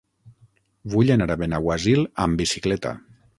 Vull anar a Benaguasil amb bicicleta.